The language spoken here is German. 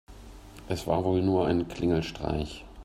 Es war wohl nur ein Klingelstreich.